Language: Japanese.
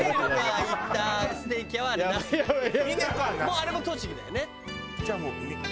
あれも栃木だよね。